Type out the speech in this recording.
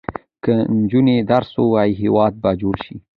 که نجونې درس ووايي، هېواد به جوړ شي.